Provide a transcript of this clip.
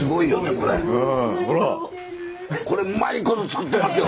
これうまいこと作ってますよ